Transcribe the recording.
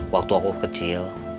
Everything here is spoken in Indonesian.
waktu aku kecil